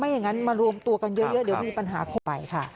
อย่างนั้นมารวมตัวกันเยอะเดี๋ยวมีปัญหาเข้าไปค่ะ